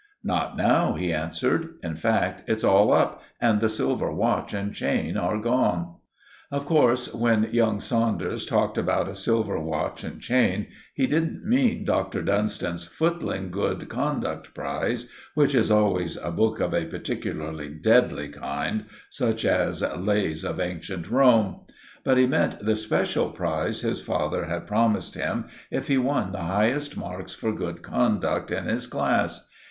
"Not now," he answered. "In fact, it's all up, and the silver watch and chain are gone." Of course, when young Saunders talked about a silver watch and chain, he didn't mean Dr. Dunstan's footling Good Conduct Prize, which is always a book of a particularly deadly kind, such as Lays of Ancient Rome; but he meant the special prize his father had promised him if he won the highest marks for good conduct in his class.